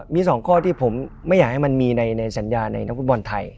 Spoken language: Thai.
มี๒ข้อที่ผมไม่อยากให้มันมีในสัญญาในนักฟุตบอลไทย